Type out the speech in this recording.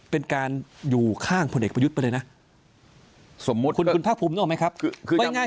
เป็นการอยู่ข้างคนเด็กประยุทธไปเลยนะคุณภาคภูมิรู้หรือไม่ครับ